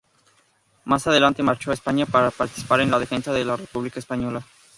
Más adelante marchó a España para participar en la defensa de la República Española.